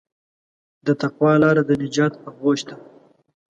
د تقوی لاره د نجات آغوش ده.